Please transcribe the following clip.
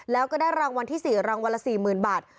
แล้วก็ได้รางวัลที่๔รางวัลละ๔๐๐๐บาท